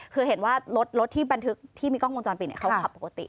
คือเห็นว่ารถที่บันทึกที่มีกล้องวงจรปิดเขาขับปกติ